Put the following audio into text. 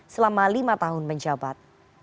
selama lima tahun menjabat